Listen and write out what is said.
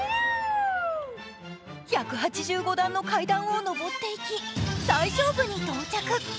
１８５段の階段を上っていき、最上部に到着。